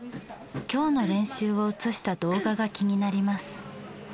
今日の練習を映した動画が気になります。